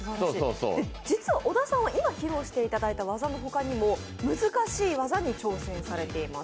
実は小田さんは今披露していただいた技の他にも難しい技に挑戦されています。